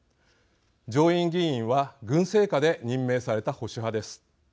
上院議員は軍政下で任命された保守派です。